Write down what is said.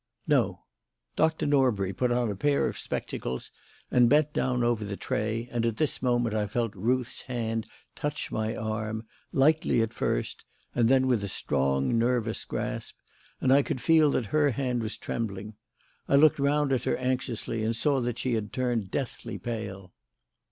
"No." Dr. Norbury put on a pair of spectacles and bent down over the tray; and at this moment I felt Ruth's hand touch my arm, lightly, at first, and then with a strong, nervous grasp; and I could feel that her hand was trembling. I looked round at her anxiously and saw that she had turned deathly pale.